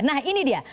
nah ini dia